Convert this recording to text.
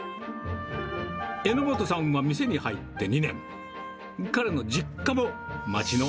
榎本さんは店に入って２年。